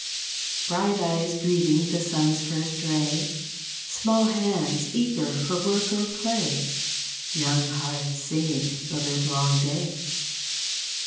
Bright eyes greeting the sun's first ray Small hands eager for work or play Young hearts singing the livelong day.